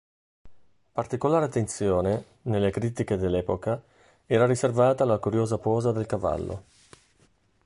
Particolare attenzione, nelle critiche dell'epoca, era riservata alla curiosa posa del cavallo.